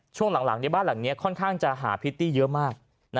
ช่วงหลังบ้านหลังนี้ค่อนข้างจะหาพริตตี้เยอะมาก